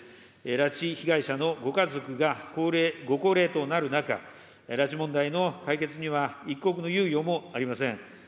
拉致被害者のご家族がご高齢となる中、拉致問題の解決には一刻の猶予もありません。